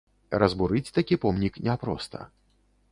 Разбурыць такі помнік няпроста.